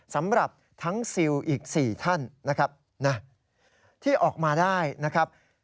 สำหรับทั้งซิลอีก๔ท่านนะครับที่ออกมาได้นะครับ